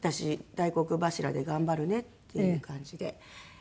大黒柱で頑張るねっていう感じで。